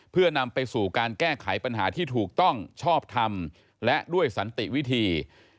เพื่อนำไปสู่การแก้ไขปัญหาที่ถูกต้องชอบทำและด้วยสันติวิธี